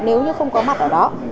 nếu như không có mặt ở đó